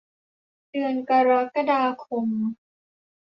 เดือนกรกฎาคม